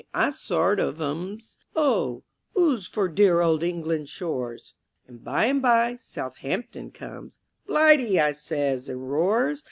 I sort of 'ums; "Oh, 'oo's for dear old England's shores?" And by and by Southampton comes "Blighty!" I says, and roars.